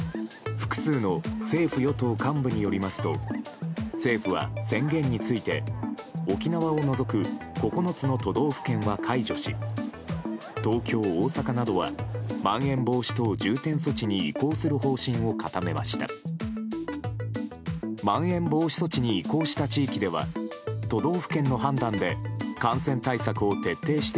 複数の政府与党幹部によりますと政府は、宣言について沖縄を除く９つの都道府県は解除し東京、大阪などはまん延防止等重点措置に移行する方針を固めました。